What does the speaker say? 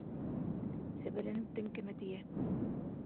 Сәбәләнеп теңкәмә тейә.